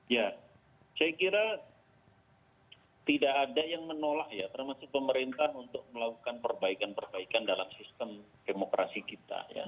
ya saya kira tidak ada yang menolak ya termasuk pemerintah untuk melakukan perbaikan perbaikan dalam sistem demokrasi kita